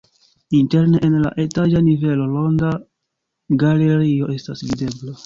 Interne en la etaĝa nivelo ronda galerio estas videbla.